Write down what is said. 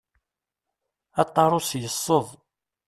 Aṭarus yesseḍ.